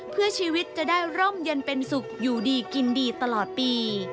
เพื่อชีวิตจะได้ร่มเย็นเป็นสุขอยู่ดีกินดีตลอดปี